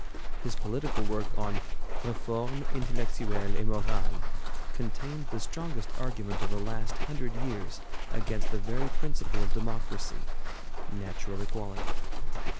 His political work on 'Reforme intellectuelle et morale' contains the strongest argument of the last hundred years against the very principle of democracy, natural equality.